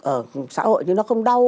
ở xã hội nhưng nó không đau